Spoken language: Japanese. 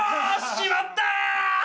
決まった！